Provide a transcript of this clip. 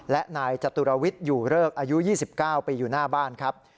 และนายจตุรวิทย์อยู่เริกอายุ๒๙ปีอยู่หน้าบ้านครับ